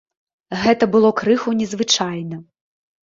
Гэта было крыху незвычайна.